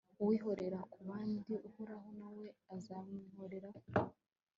uwihorera ku bandi, uhoraho na we azamwihoreraho